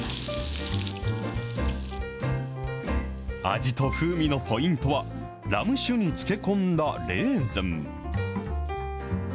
味と風味のポイントは、ラム酒に漬け込んだレーズン。